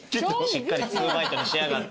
しっかり２バイトにしやがって。